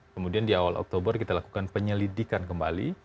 kemudian di awal oktober kita lakukan penyelidikan kembali